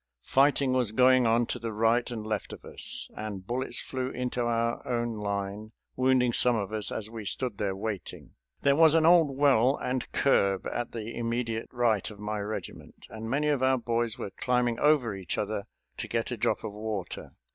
Fighting was going on to the right and left of us, and bullets flew into our own line, wounding some of us as we stood there waiting. There was an old well and curb at the immediate right of my regiment, and many of our boys were climbing over each other to get a drop of water.